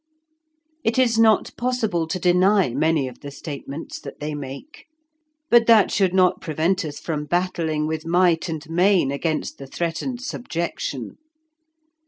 It is not possible to deny many of the statements that they make, but that should not prevent us from battling with might and main against the threatened subjection.